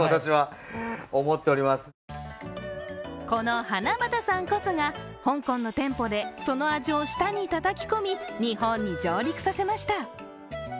この花畑さんこそが香港の店舗でその味を舌にたたき込み日本に上陸させました。